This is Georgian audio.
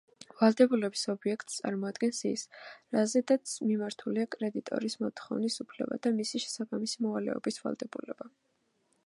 ვალდებულების ობიექტს წარმოადგენს ის, რაზედაც მიმართულია კრედიტორის მოთხოვნის უფლება და მისი შესაბამისი მოვალის ვალდებულება.